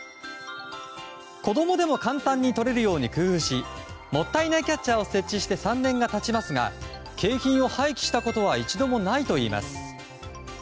子供でも簡単に取れるように工夫しもったいないキャッチャーを設置して３年が経ちますが景品を廃棄したことは一度もないといいます。